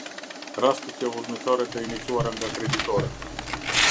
Rastet jovullnetare të iniciuara nga kreditorët.